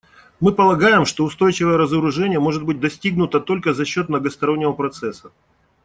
Мы полагаем, что устойчивое разоружение может быть достигнуто только за счет многостороннего процесса.